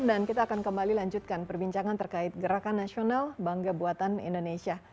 dan kita akan kembali lanjutkan perbincangan terkait gerakan nasional bangga buatan indonesia